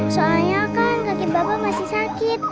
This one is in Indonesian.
soalnya kan kaki bapak masih sakit